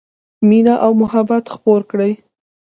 مینه او محبت خپور کړئ